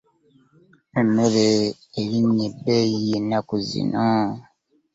Emmere erinnye ebbeeyi ennaku zino.